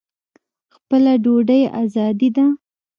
خپله ډوډۍ ازادي ده.